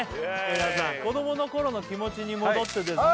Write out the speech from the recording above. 皆さん子供の頃の気持ちに戻ってですね